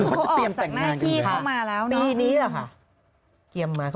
เขาออกจากหน้าที่เขามาแล้วเนอะปีนี้เหรอค่ะเกียรมมา